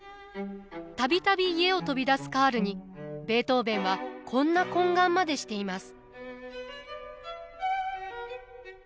度々家を飛び出すカールにベートーヴェンはこんな懇願までしています。